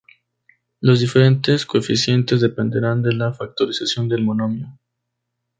Los diferentes coeficientes dependerán de la factorización del monomio.